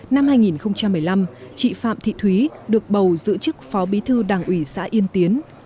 năm hai nghìn một mươi năm chị phạm thị thúy được bầu giữ chức phó bí thư đảng ủy xã yên tiến